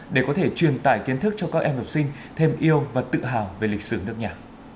để có thể truyền tải kiến thức cho các em học sinh thêm yêu và tự hào về lịch sử nước nhà